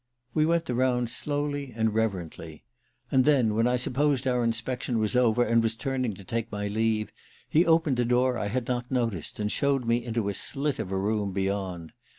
We went the rounds slowly and reverently; and then, when I supposed our inspection was over, and was turning to take my leave, he opened a door I had not noticed, and showed me into a slit of a room beyond.